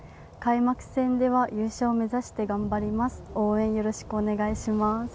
開幕戦では優勝を目指して頑張ります。